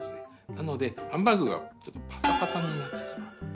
なのでハンバーグがちょっとパサパサになってしまうと。